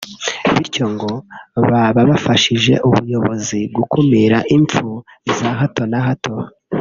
bityo ngo baba bafashije ubuyobozi gukumira imfpu za hato na hato